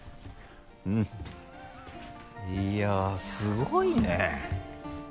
いやっすごいね。